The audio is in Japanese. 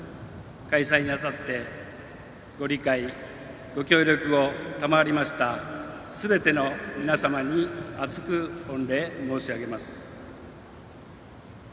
開催に当たってご理解、ご協力を賜りましたすべての皆様に厚く御礼申し上げます。